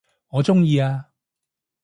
我鍾意啊